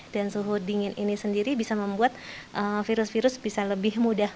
dan suhu dingin ini sendiri bisa membuat virus virus bisa lebih mudah